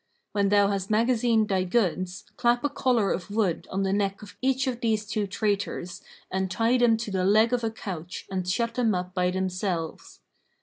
When thou hast magazined thy goods, clap a collar[FN#533] of wood on the neck of each of these two traitors and tie them to the leg of a couch and shut them up by themselves.